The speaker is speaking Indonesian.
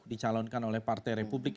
dicalonkan oleh partai republik